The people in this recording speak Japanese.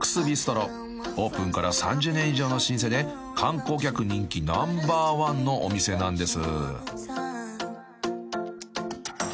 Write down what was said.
［オープンから３０年以上の老舗で観光客人気ナンバーワンのお店なんです］